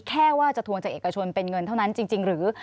แค่ว่าจะทวงจากเอกชนเป็นเงินเท่านั้นจริงหรือ